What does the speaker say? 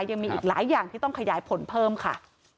ยังมีอีกหลายอย่างที่ต้องขยายผลเพิ่มค่ะ